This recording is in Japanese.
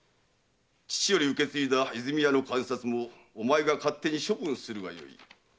父より受け継いだ和泉屋の鑑札もお前が勝手に処分するがよい」